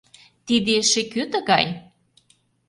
Тиде эше кӧ тыгай?